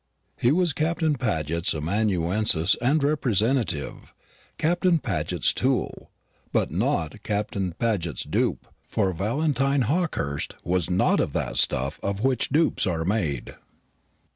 He was Captain Paget's amanuensis and representative Captain Paget's tool, but not Captain Paget's dupe; for Valentine Hawkehurst was not of that stuff of which dupes are made.